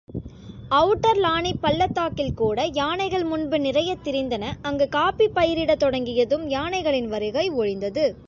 அவுட்டர்லானிப் பள்ளத்தாக்கில்கூட யானைகள் முன்பு நிறையத் திரிந்தன, அங்கு காஃபி பயிரிடத் தொடங்கியதும் யானைகளின் வருகை ஒழிந்தது.